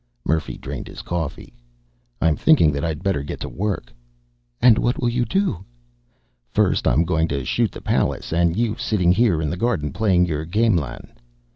Murphy drained his coffee. "I'm thinking that I'd better be getting to work." "And what do you do?" "First I'm going to shoot the palace, and you sitting here in the garden playing your gamelan."